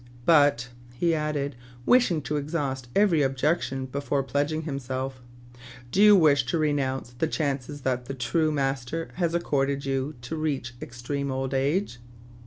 "But,*' he added, wishing to exhaust every objection before pledging himself, "do you wish to renounce the chances that the. True Master has accorded you to reach extreme old age